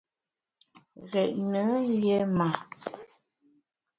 Ghét nùn yé ma.